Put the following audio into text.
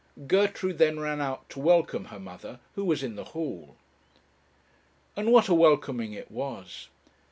Gertrude then ran out to welcome her mother, who was in the hall. And what a welcoming it was!